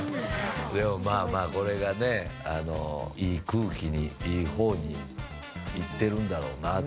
でも、これがいい空気にいいほうに行ってるんだろうなって。